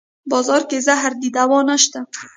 بازار کې زهر دی دوانشته